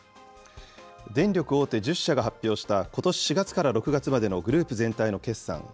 電力大手１０社が発表した、ことし４月から６月までのグループ全体の決算。